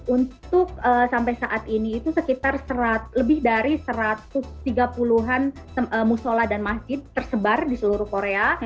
untuk sampai saat ini itu sekitar lebih dari satu ratus tiga puluh an musola dan masjid tersebar di seluruh korea